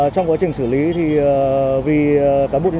trong quá trình xử lý vì cán bụi